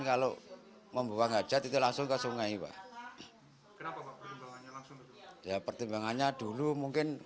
kalau membuang aja tidak langsung ke sungai wah kenapa ya pertimbangannya dulu mungkin